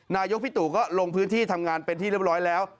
นายกพี่ตู่ก็ลงพื้นที่ทำงานเป็นที่เรียบร้อยแล้ว